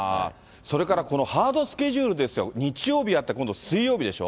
それからこのハードスケジュールですよ、日曜日やって、今度水曜日でしょ。